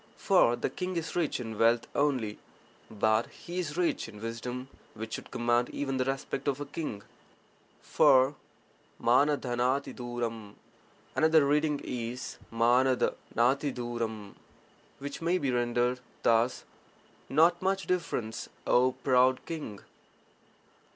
For the king is rich in wealth only, but he is rich in wisdom which should command even the respect of a king. For JTH*Hlfd<j<. another reading is HW 'Hfd<y, which may be rendered thus — 'not much difference, O proud (king)'.